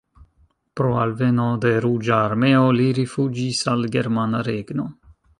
Pro alveno de Ruĝa Armeo li rifuĝis al Germana Regno.